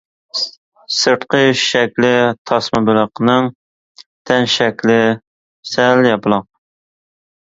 سىرتقى شەكلى تاسما بېلىقنىڭ تەن شەكلى سەل ياپىلاق.